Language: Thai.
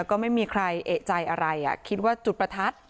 ก็ไม่มีใครเอกใจอะไรคิดว่าจุดประทัด